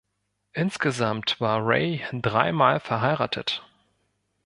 Insgesamt war Ray drei Mal verheiratet.